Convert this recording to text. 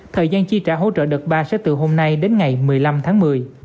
thời gian chi trả hỗ trợ đợt ba sẽ từ hôm nay đến ngày một mươi năm tháng một mươi